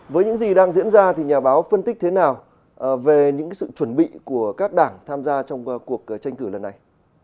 với những gì đang diễn ra thì nhà báo phân tích thế nào về những sự chuẩn bị của các đảng tham gia trong cuộc tranh cử lần này